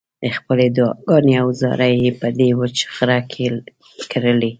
خپلې دعاګانې او زارۍ یې په دې وچ غره کې کرلې.